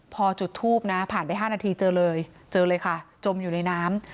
พอจุดทูบนะผ่านไป๕นาทีเจอเลยเจอเลยค่ะจมอยู่ในน้ำ